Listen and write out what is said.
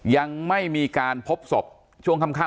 ยังไม่มีการพบศพช่วงค่ำ